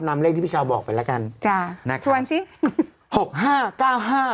ตามเลขที่พี่เช้าบอกไปแล้วกันจ้านะครับสวัสดีสิห้าห้าเก้าห้า